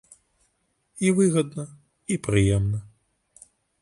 І выгадна, і прыемна.